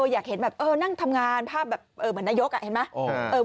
อยากเห็นแบบนั่งทำงานภาพแบบเหมือนนายกเห็นไหม